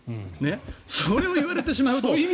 それを言われてしまうと。